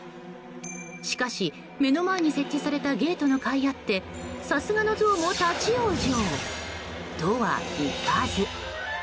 しかし、目の前に設置されたゲートのかいあってさすがのゾウも立ち往生！とはいかず。